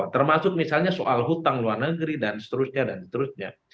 termasuk misalnya soal hutang luar negeri dan seterusnya dan seterusnya